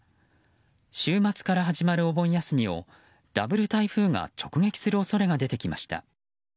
週末から始まるお盆休みをダブル台風が直撃する恐れが出てきました。